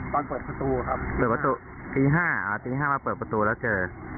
ตอนเปิดประตูครับเปิดประตูตีห้าอ่าตีห้ามาเปิดประตูแล้วเจอ